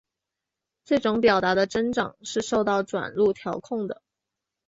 这种表达的增长是受到转录调控的。